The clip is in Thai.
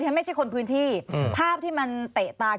นี่คือเส้นป่านะครับ